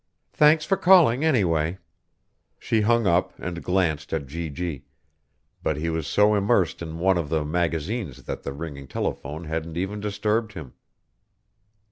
Thanks for calling, anyway." She hung up and glanced at G.G., but he was so immersed in one of the magazines that the ringing telephone hadn't even disturbed him.